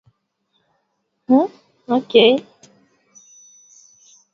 Uganda kuchangamkia fursa mpya za kibiashara Jamhuri ya Kidemocrasia ya Kongo